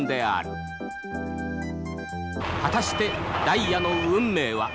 果たしてダイヤの運命は。